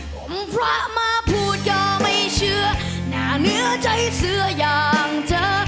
ผมพระมาพูดก็ไม่เชื่อหน้าเนื้อใจเสื้ออย่างเธอ